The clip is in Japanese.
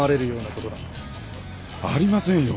ありませんよ。